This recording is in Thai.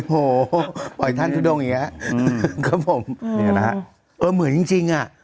โหปล่อยท่านทุ่มทรงอย่างเงี้ยหือเหมือนจริง